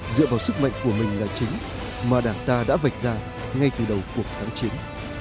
dựa vào sức mạnh của mình là chính mà đảng ta đã vạch ra ngay từ đầu cuộc kháng chiến